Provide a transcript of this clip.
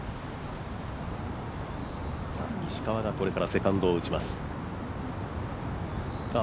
星野がこれからセカンドを打ちます。